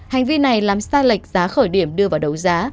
hành vi này làm sai lệch giá khởi điểm đưa vào đấu giá